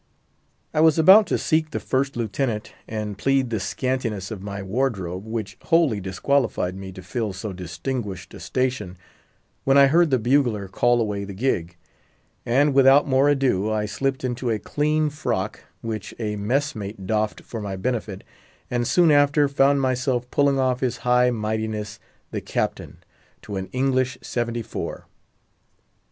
I was about to seek the First Lieutenant, and plead the scantiness of my wardrobe, which wholly disqualified me to fill so distinguished a station, when I heard the bugler call away the "gig;" and, without more ado, I slipped into a clean frock, which a messmate doffed for my benefit, and soon after found myself pulling off his High Mightiness, the Captain, to an English seventy four.